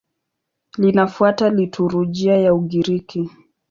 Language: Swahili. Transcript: Linafuata liturujia ya Ugiriki.